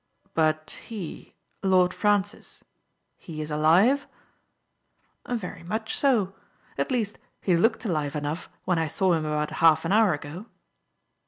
" But he — Lord Francis — he is alive ?" "Very much so! At least he looked alive enough when' I saw him about half an hour ago."